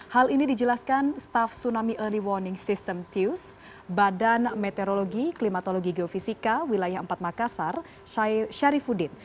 hal ini dijelaskan staf tsunami early warning system tius badan meteorologi klimatologi geofisika wilayah empat makassar syarifudin